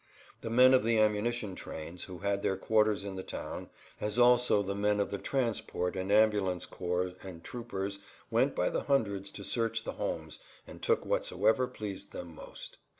The men of the ammunition trains who had their quarters in the town, as also the men of the transport and ambulance corps and troopers went by the hundred to search the homes and took whatsoever pleased them most.